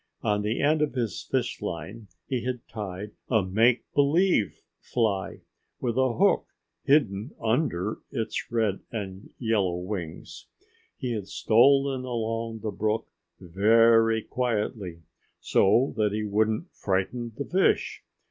On the end of his fish line he had tied a make believe fly, with a hook hidden under its red and yellow wings. He had stolen along the brook very quietly, so that he wouldn't frighten the fish.